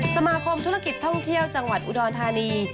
สมาคมธุรกิจท่องเที่ยวจังหวัดอุดรธานี